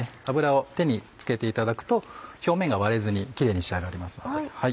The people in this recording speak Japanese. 油を手に付けていただくと表面が割れずにキレイに仕上がります。